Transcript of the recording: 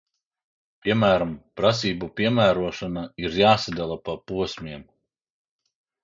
Piemēram, prasību piemērošana ir jāsadala pa posmiem.